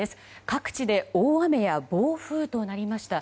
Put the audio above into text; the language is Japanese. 各地で大雨や暴風となりました。